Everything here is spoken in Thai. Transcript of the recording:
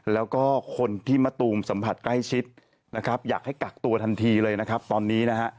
แล้วก็คนที่มะตูมสัมผัสใกล้ชิดอยากให้กักตัวทันทีเลยตอนนี้